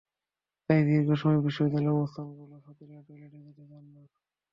তাই দীর্ঘ সময় বিশ্ববিদ্যালয়ে অবস্থান করলেও ছাত্রীরা টয়লেটে যেতে চান না।